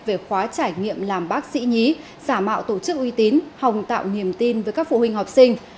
về khóa trải nghiệm làm bác sĩ nhí giả mạo tổ chức uy tín hồng tạo niềm tin với các phụ huynh học sinh